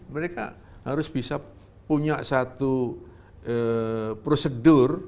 mereka harus bisa punya satu prosedur